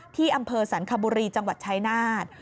ที่อำเภอสรรคบุรีจังหวัดชายนาฏ